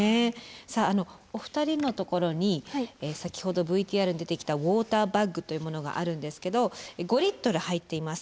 さあお二人のところに先ほどＶＴＲに出てきたウォーターバッグというものがあるんですけど５リットル入っています。